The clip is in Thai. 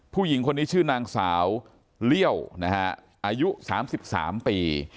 ผู้หญิงคนนี้ชื่อนางสาวเลี่ยวนะฮะอายุ๓๓ปี